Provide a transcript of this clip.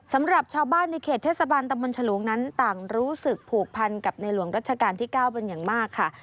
สำหรับชาวบ้านในเขตเทศบาลตำบลฉลุงนั้นต่างรู้สึกผูกพันกับในหลวงรัชกาลที่๙เป็นอย่างมากค่ะ